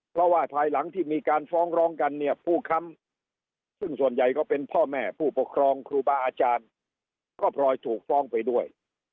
เพราะว่าภายหลังที่มีการฟ้องร้องกันเนี่ยผู้ค้ำซึ่งส่วนใหญ่ก็เป็นพ่อแม่ผู้ปกครองครูบาอาจารย์ก็พลอยถูกฟ้องไปด้วย